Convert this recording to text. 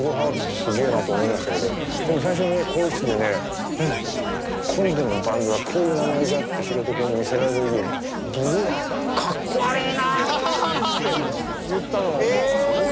すげえなと思いましたけどでも最初に更衣室でね今度のバンドはこういう名前じゃってヒロト君に見せられた時「ブルー？かっこ悪いなブルー」って言ったのは覚えてます。